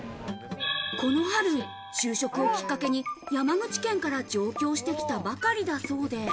この春、就職をきっかけに、山口県から上京してきたばかりだそうで。